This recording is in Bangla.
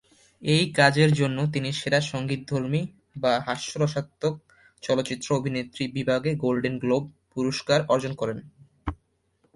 এই কাজের জন্য তিনি সেরা সঙ্গীতধর্মী বা হাস্যরসাত্মক চলচ্চিত্র অভিনেত্রী বিভাগে গোল্ডেন গ্লোব পুরস্কার অর্জন করেন।